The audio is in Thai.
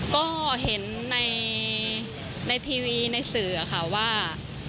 ก็เห็นในทีวีในสื่อค่ะว่า